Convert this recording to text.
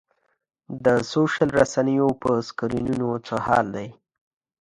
دا سوشل رسنیو په سکرینونو څه حال دی.